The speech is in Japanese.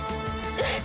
えっ？